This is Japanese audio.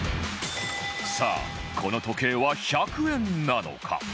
さあこの時計は１００円なのか？